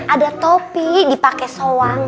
ada topi dipake soang